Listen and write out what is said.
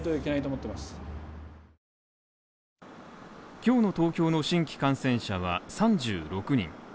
今日の東京の新規感染者は３６人。